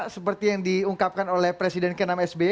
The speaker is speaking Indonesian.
seperti yang diungkapkan oleh presiden ke enam sby